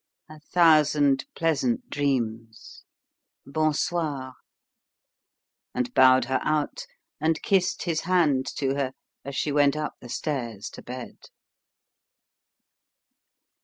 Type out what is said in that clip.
A thousand pleasant dreams bon soir!" And bowed her out and kissed his hand to her as she went up the stairs to bed.